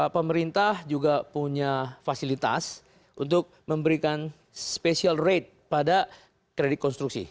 pemerintah juga punya fasilitas untuk memberikan special rate pada kredit konstruksi